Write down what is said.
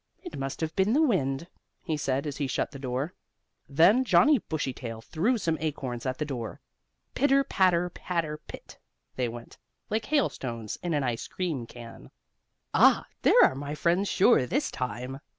"It must have been the wind," he said as he shut the door. Then Johnnie Bushytail threw some more acorns at the door. "Pitter patter patter pit!" they went, like hailstones in an ice cream can. "Ah, there are my friends, sure, this time!"